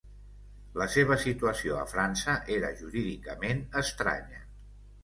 La seva situació a França era jurídicament estranya.